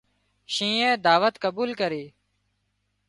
شينهنئي دعوت قبول ڪرِي